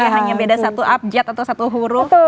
hanya beda satu abjad atau satu huruf